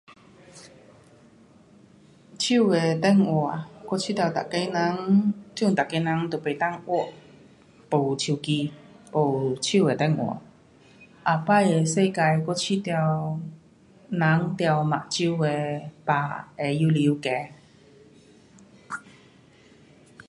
手的电话我觉得每个人，这阵每个人都不能活，没手机，没手的电话，后次的世界我觉得，人得眼睛的病会越来越高。